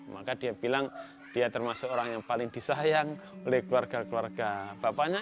maka dia bilang dia termasuk orang yang paling disayang oleh keluarga keluarga bapaknya